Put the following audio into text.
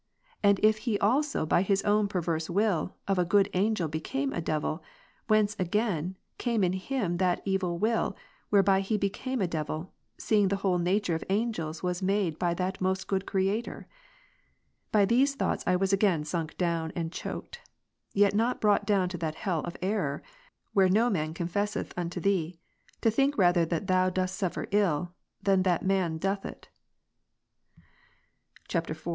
And if he also by his own per verse will, of a good angel became a devil, whence, again, came in him that evil will, whereby he became a devil, seeing the whole nature of angels vv'as made by that most good Creator ? By these thoughts I was again sunk down and choked; yet not brought down to that hell of error, (where ps. 6,5. no man confesseth unto Thee,) to think rather that Thou dost suffer ill, than that man doth it. [IV.] 6.